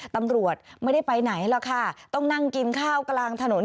ตำรวจไม่ได้ไปไหนหรอกค่ะต้องนั่งกินข้าวกลางถนน